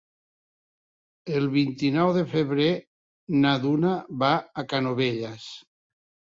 El vint-i-nou de febrer na Duna va a Canovelles.